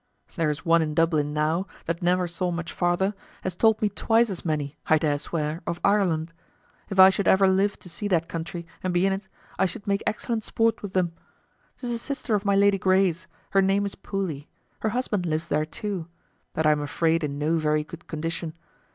There is one in Dublin now, that ne'er saw much farther, has told me twice as many (I dare swear) of Ireland. If I should ever live to see that country and be in't, I should make excellent sport with them. 'Tis a sister of my Lady Grey's, her name is Pooley; her husband lives there too, but I am afraid in no very good condition.